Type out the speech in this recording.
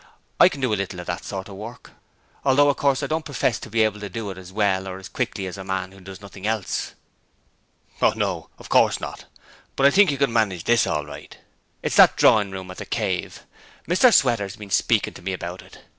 'I can do a little of that sort of work, although of course I don't profess to be able to do it as well or as quickly as a man who does nothing else.' 'Oh, no, of course not, but I think you could manage this all right. It's that drawing room at the 'Cave'. Mr Sweater's been speaking to me about it.